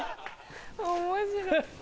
面白い。